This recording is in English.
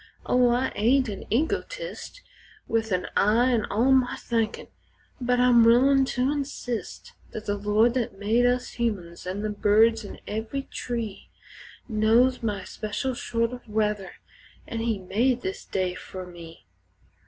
Oh, I ain't an egotist, With an "I" in all my thinkin', but I'm willin' to insist That the Lord that made us humans an' the birds in every tree Knows my special sort o' weather an' He made this day fer me.